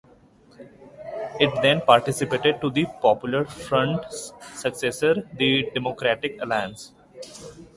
It then participated to the Popular Front's successor, the Democratic Alliance.